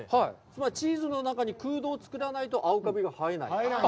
つまり、チーズの中に空洞を作らないと青かびがはえない。